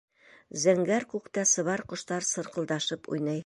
Зәңгәр күктә сыбар ҡоштар сырҡылдашып уйнай.